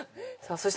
そして